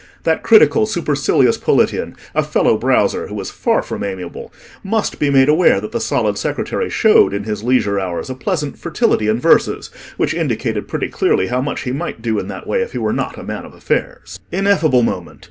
That critical supercilious Politian—a fellow browser, who was far from amiable—must be made aware that the solid secretary showed, in his leisure hours, a pleasant fertility in verses, which indicated pretty clearly how much he might do in that way if he were not a man of affairs. Ineffable moment!